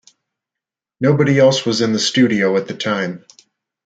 Nobody else was in the studio at the time.